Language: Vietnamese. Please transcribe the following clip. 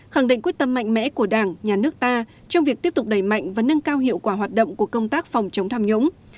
khẳng định quyết tâm mạnh mẽ của đảng nhà nước ta trong việc tiếp tục đẩy mạnh và nâng cao hiệu quả hoạt động của công tác phòng chống tham nhũng